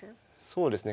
そうですね。